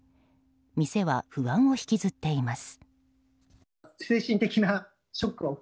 店は不安を引きずっています。